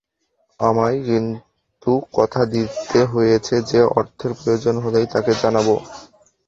আমায় কিন্তু কথা দিতে হয়েছে যে, অর্থের প্রয়োজন হলেই তাঁকে জানাব।